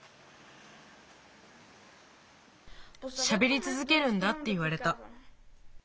しゃべりつづけるんだっていわれた。